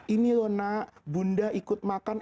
ini loh nak bunda ikut makan